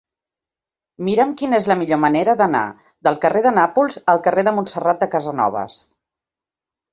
Mira'm quina és la millor manera d'anar del carrer de Nàpols al carrer de Montserrat de Casanovas.